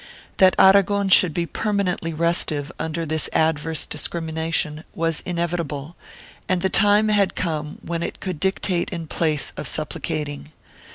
That Aragon should be permanently restive under this adverse discrimination was inevitable and the time had come when it could dictate in place of supplicating.